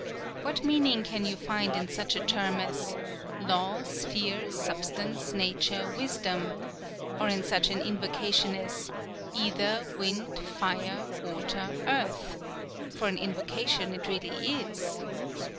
What meaning can you find in such a term as "Law sphere substance nature wisdom," or such an invocation as "Ether, Wind, Fire, Water, Earth!" for an invocation it really is?